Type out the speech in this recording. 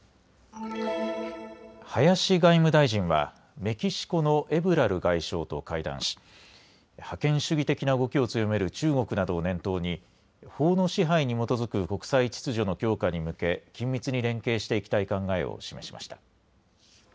林外務大臣はメキシコのエブラル外相と会談し覇権主義的な動きを強める中国などを念頭に法の支配に基づく国際秩序の強化に向け緊密に連携していきたい考えを示しました。